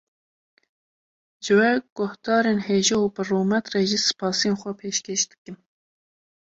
Ji we guhdarên hêja û bi rûmet re jî spasiyên xwe pêşkêş dikim